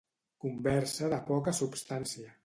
Conversa de poca substància.